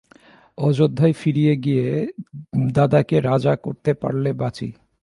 অযোধ্যায় ফিরিয়ে নিয়ে গিয়ে দাদাকে রাজা করতে পারলে বাঁচি।